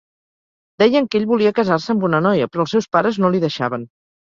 Deien que ell volia casar-se amb una noia però els seus pares no li deixaven.